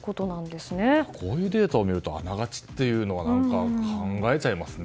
こういうデータを見るとあながちって考えちゃいますね。